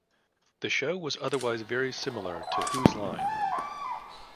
The show was otherwise very similar to Whose Line?